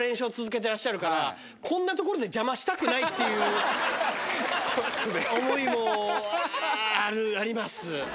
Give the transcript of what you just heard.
てらっしゃるからこんなところで邪魔したくないっていう思いもあります。